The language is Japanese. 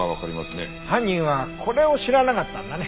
犯人はこれを知らなかったんだね。